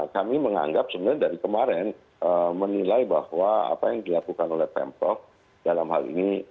kami menganggap sebenarnya dari kemarin menilai bahwa apa yang dilakukan oleh pemprov dalam hal ini